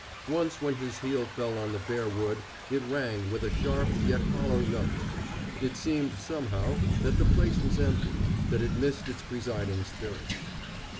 Once when his heel fell on the bare wood, it rang with a sharp yet hollow note. It seemed, somehow, that the place was empty that it missed its presiding spirit.